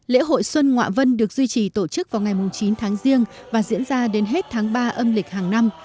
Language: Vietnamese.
lễ hội xuân ngoạ vân được duy trì tổ chức vào ngày chín tháng riêng và diễn ra đến hết tháng ba âm lịch hàng năm